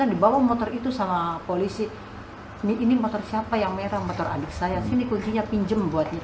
dibawa motor itu sama polisi ini motor siapa yang merah motor adik saya sini kuncinya pinjem buatnya